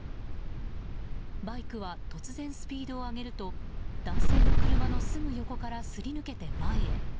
バイクは突然スピードを上げると男性の車のすぐ横からすり抜けて前へ。